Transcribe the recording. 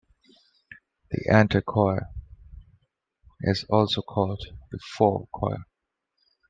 The ante-choir is also called the fore choir.